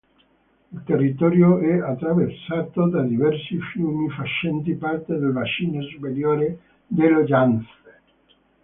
Il territorio è attraversato da diversi fiumi facenti parte del bacino superiore dello Yangtze.